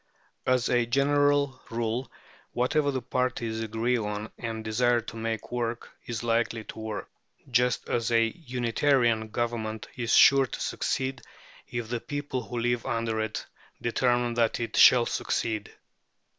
As a general rule, whatever the parties agree on and desire to make work is likely to work, just as a Unitarian government is sure to succeed if the people who live under it determine that it shall succeed.